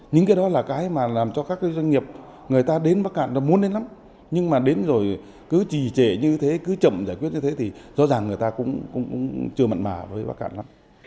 những cái đó là cái mà làm cho các doanh nghiệp người ta đến bắc cạn nó muốn đến lắm nhưng mà đến rồi cứ trì trệ như thế cứ chậm giải quyết như thế thì rõ ràng người ta cũng chưa mặn mà với bắc cạn lắm